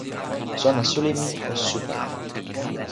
sona suli mi o supa!